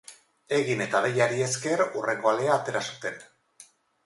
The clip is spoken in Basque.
Egin eta Deiari esker hurrengo alea atera zuten.